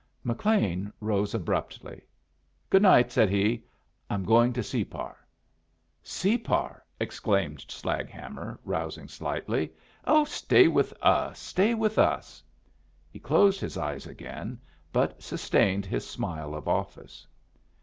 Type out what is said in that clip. McLean rose abruptly. "Good night," said he. "I'm going to Separ." "Separ!" exclaimed Slaghammer, rousing slightly. "Oh, stay with us, stay with us." He closed his eyes again, but sustained his smile of office.